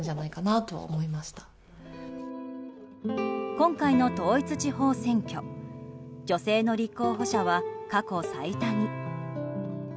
今回の統一地方選挙女性の立候補者は過去最多に。